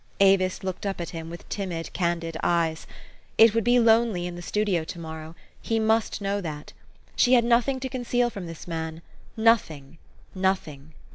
Avis looked up at him with timid, candid eyes. It would be lonely in the studio to morrow : he must know that. She had nothing to conceal from this man, nothing, nothing